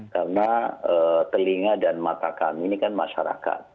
karena telinga dan mata kami ini kan masyarakat